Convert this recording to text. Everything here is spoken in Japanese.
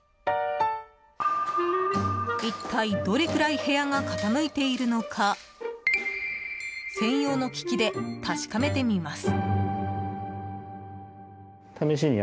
一体どれくらい部屋が傾いているのか専用の機器で確かめてみます。